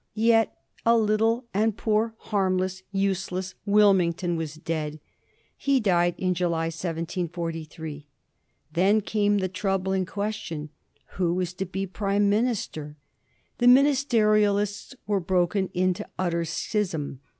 Yet a little, and poor, harmless, useless Wilmington was dead. He died in July, 1743. Then came the troubling question, who is to be Prime minister ? The Ministerial ists were broken into utter schism.